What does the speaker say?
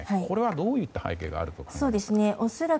これはどういった背景があると思いますか？